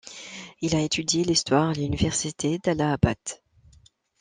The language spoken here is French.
Il a étudié l'histoire à l'université d'Allahabad.